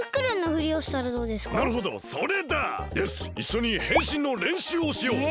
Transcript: よしいっしょにへんしんのれんしゅうをしよう！